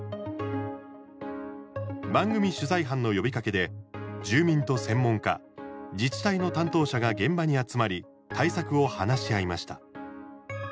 番組取材班の呼びかけで住民と専門家自治体の担当者が現場に集まり対策を話し合いました。